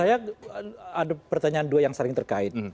saya ada pertanyaan dua yang sering terkait